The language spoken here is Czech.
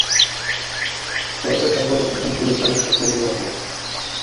Po roce však byl propuštěn kvůli svému špatnému zraku.